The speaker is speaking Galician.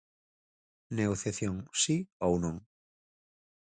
Negociación, ¿si ou non?